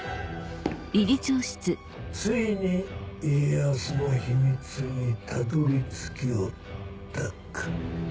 ついに家康の秘密にたどり着きおったか。